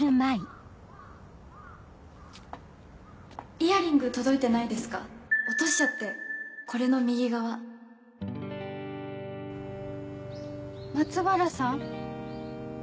イヤリング届いてないですか落としちゃってこれの右松原さん？